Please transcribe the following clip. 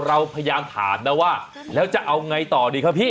เราพยายามถามนะว่าแล้วจะเอาไงต่อดีครับพี่